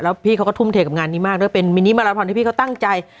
พี่เขาก็ทุ่มเทกับงานนี้มากด้วยเป็นมินิมาราทอนที่พี่เขาตั้งใจ